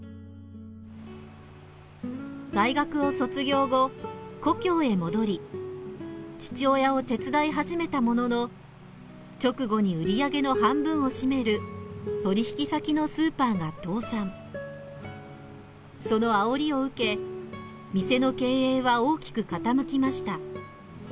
大学を卒業後故郷へ戻り父親を手伝い始めたものの直後に売り上げの半分を占めるそのあおりを受け店の経営は大きく傾きました。